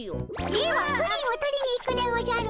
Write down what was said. ではプリンを取りに行くでおじゃる。